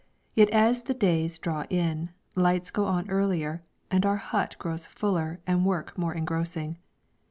Yet as the days draw in, lights go on earlier, and our hut grows fuller and work more engrossing.